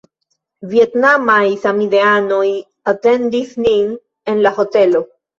Vjetnamaj samideanoj atendis nin en la hotelo.